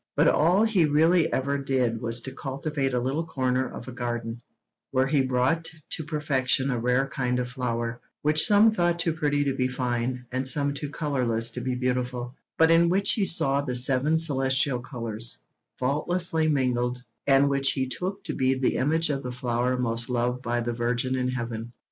But all he really ever did was to cultivate a little corner of a garden, where he brought to perfection a rare kind of flower, which some thought too pretty to be fine, and some too colourless to be beautiful, but in which he saw the seven celestial colours, faultlessly mingled, and which he took to be the image of the flower most loved by the Virgin in heaven.